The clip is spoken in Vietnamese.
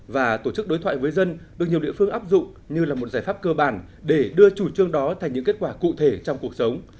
và tổ chức đối thoại với dân được nhiều địa phương áp dụng như là một giải pháp cơ bản để đưa chủ trương đó thành những kết quả cụ thể trong cuộc sống